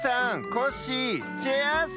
コッシーチェアーっす！